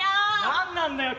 「何なんだよ